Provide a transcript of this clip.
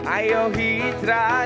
ayo hijrah jatuh